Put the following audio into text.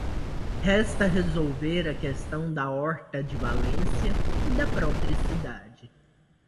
Resta resolver a questão da Horta de Valência e da própria cidade.